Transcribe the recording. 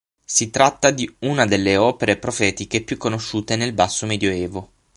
Si tratta di una delle opere profetiche più conosciute nel basso Medioevo.